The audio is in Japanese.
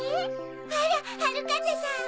あらはるかぜさん！